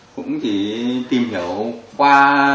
cũng chỉ tìm hiểu qua